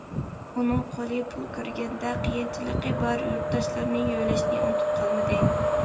ئۇنىڭ قولى پۇل كۆرگەندە قىيىنچىلىقى بار يۇرتداشلىرىنى يۆلەشنى ئۇنتۇپ قالمىدى.